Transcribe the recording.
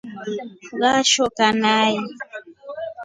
Ngashoka nai.